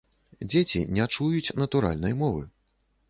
Дзеці не чуюць натуральнай мовы.